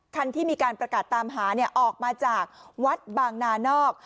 คันที่มีการประกาศตามหาออกมาจากวัดบางนานอก